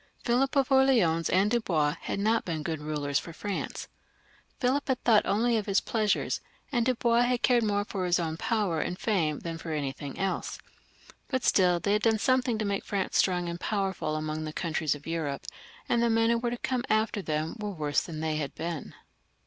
Philip of Orleans and Dubois had not been good rulers for France. Philip had thought only of his pleasures, and Dubois had cared more for his own power and fame than for anything else ; but still they had done something to make France strong and powerful among the countries of Europe, and the men who were to come after them were worse than they had been.